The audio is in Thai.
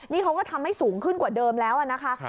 นี่เขาก็ทำให้สูงขึ้นกว่าเดิมแล้วนะคะ